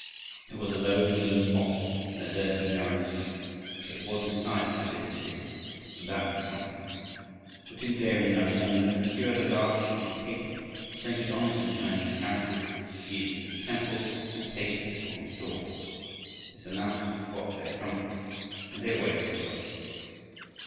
It was a low, mean hovel in a dirty, narrow street, but it was inside the forbidden city, and that was something. The two daring young men then procured a large sheet of paper, printed on it in Chinese characters "Jesus' Temple," and pasted it on the door. This announced what they had come for, and they awaited results.